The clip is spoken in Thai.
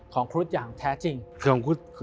ครุฑอย่างแท้จริง